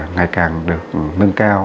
ngày càng được nâng cao